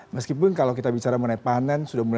meskipun kalau kita bicara mengenai panen sudah mulai